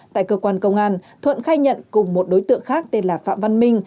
tại cơ quan công an thuận khai nhận cùng một đối tượng khác tên là phạm văn minh